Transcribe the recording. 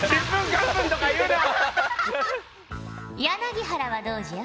柳原はどうじゃ？